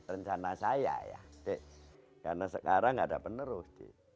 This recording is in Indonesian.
rencana saya ya karena sekarang nggak ada penerus